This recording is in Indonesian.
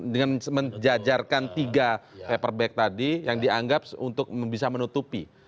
dengan menjajarkan tiga paper bag tadi yang dianggap untuk bisa menutupi